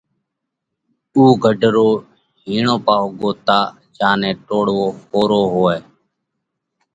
اُو گھڍ رو هِيڻو پاهو ڳوتتا جيا نئہ ٽوڙوو ۿورو هوئہ۔